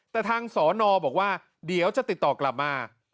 แต่ทางสอนอบอกว่าเดี๋ยวจะติดต่อกลับมา